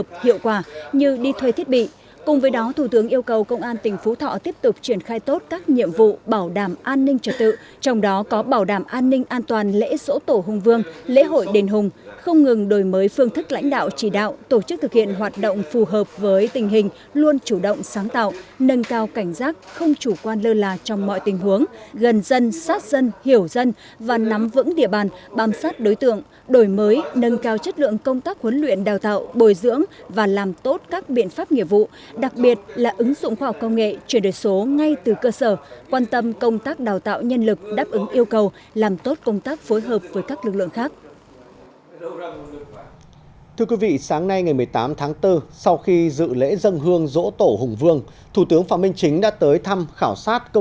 thưa quý vị sáng nay ngày một mươi tám tháng bốn sau khi dự lễ dân hương rỗ tổ hùng vương thủ tướng phạm minh chính đã tới thăm khảo sát công trường xây dựng dự án nhà văn hóa nghệ thuật tỉnh phú thọ